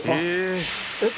えっ？